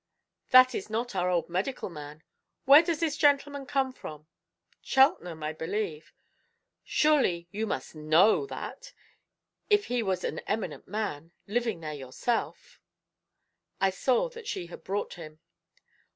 "That is not our old medical man. Where does this gentleman come from?" "Cheltenham, I believe." "Surely, you must know that, if he is an eminent man; living there yourself!" I saw that she had brought him.